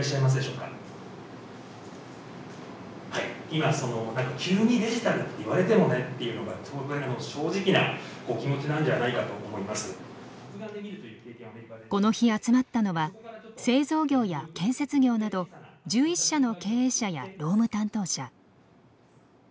今そのこの日集まったのは製造業や建設業など１１社の経営者や労務担当者。